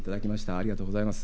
ありがとうございます。